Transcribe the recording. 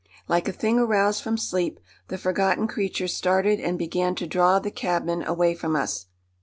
Like a thing aroused from sleep the forgotten creature started and began to draw the cabman away from us.